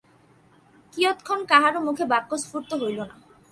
কিয়ৎক্ষণ কাহারও মুখে বাক্যস্ফূর্তি হইল না।